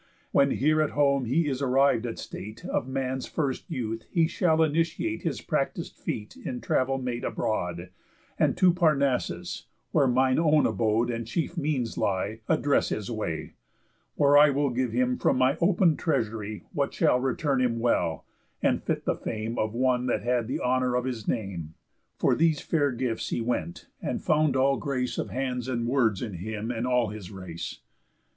When here at home he is arriv'd at state Of man's first youth he shall initiate His practis'd feet in travel made abroad, And to Parnassus, where mine own abode And chief means lie, address his way, where I Will give him from my open'd treasury What shall return him well, and fit the fame Of one that had the honour of his name." For these fair gifts he went, and found all grace Of hands and words in him and all his race.